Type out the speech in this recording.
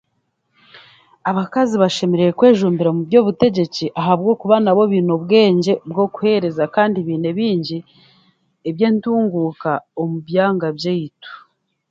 Abakazi bashemereire kwejumbira omu by'obutegyeki ahabwokuba nabo baine obwengye bw'okuheereza kandi baine bingi eby'entunguuka omu byanga byaitu